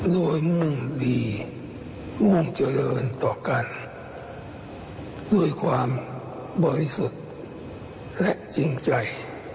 ด้วยมุ่งดีมุ่งเจริญต่อกันด้วยความบริสุทธิ์และจริงใจ